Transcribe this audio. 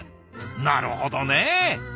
なるほどね。